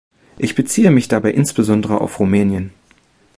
Ich beziehe mich dabei insbesondere auf Rumänien.